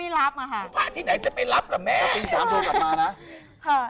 ตีสามโทรกลับมานะ